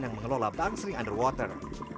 yang mengelola bang sling underwater